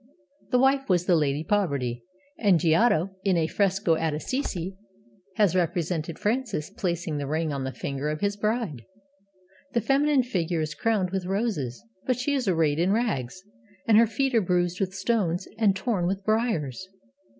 The wife was the Lady Poverty; and Giotto, in a fresco at Assisi, has represented Francis placing the ring on the finger of his bride. The feminine figure is crowned with roses, but she is arrayed in rags, and her feet are bruised with stones and torn with briars.